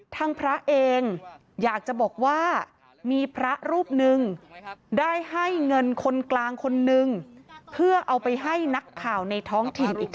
ท่างพระเองอยากจะบอกว่ามีพระรูปหนึ่ง